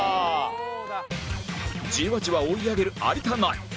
じわじわ追い上げる有田ナイン